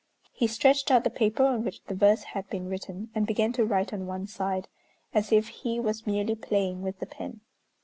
He stretched out the paper on which the verse had been written, and began to write on one side, as if he was merely playing with the pen.